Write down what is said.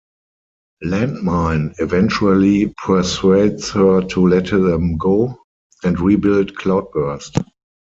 Landmine eventually persuades her to let them go and rebuild Cloudburst.